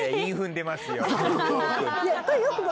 韻踏んでますよ